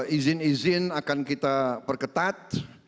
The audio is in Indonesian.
izin izin akan kita perketat